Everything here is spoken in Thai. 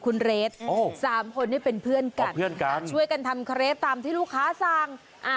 คุณเรดอ๋อเรี่ยนกันช่วยกันทำเคร็บตามที่ลูกค้าสร้างอ่า